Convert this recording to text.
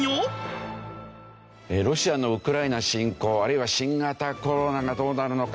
ロシアのウクライナ侵攻あるいは新型コロナがどうなるのか